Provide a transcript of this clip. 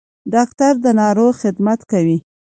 ډاکټر د ناروغ خدمت کوي